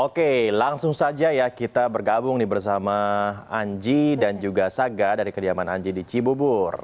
oke langsung saja ya kita bergabung nih bersama anji dan juga saga dari kediaman anji di cibubur